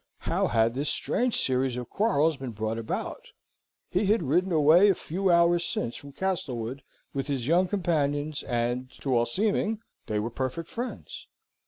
How had this strange series of quarrels been brought about? He had ridden away a few hours since from Castlewood, with his young companions, and, to all seeming, they were perfect friends.